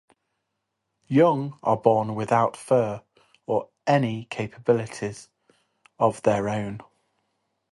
Young are born without fur or any capabilities of their own.